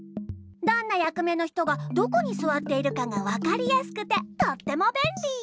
どんなやく目の人がどこにすわっているかがわかりやすくてとってもべんり！